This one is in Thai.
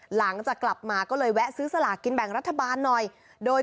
หลังจากกลับมาก็เลยแวะซื้อสลากกินแบ่งรัฐบาลหน่อยโดย